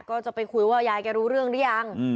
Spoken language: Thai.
ก็จะไปคุยว่ายายแกใส่กับเรื่องรึยัง